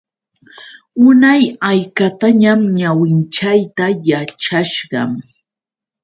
Unay haykatañam ñawinchayta yachashqam.